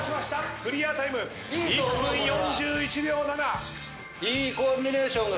クリアタイム１分４１秒７。